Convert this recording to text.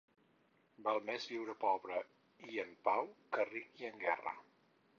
Val més viure pobre i en pau que ric i en guerra.